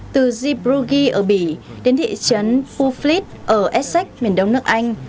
từ zeebrugge ở bỉ đến thị trấn poofleet ở essex miền đông nước anh